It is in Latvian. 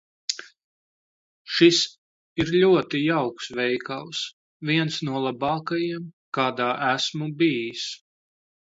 Šis ir ļoti jauks veikals. Viens no labākajiem, kādā esmu bijis.